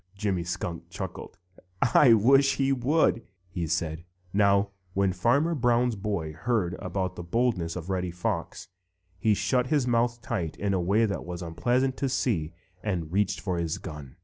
Jimmy Skunk chuckled. "I wish he would!" said he. Now when Farmer Brown's boy heard about the boldness of Reddy Fox, he shut his mouth tight in a way that was unpleasant to see and reached for his gun.